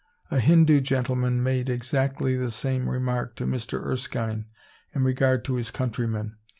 A Hindoo gentleman made exactly the same remark to Mr. Erskine in regard to his countrymen.